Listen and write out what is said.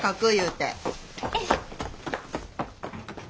えいしょ。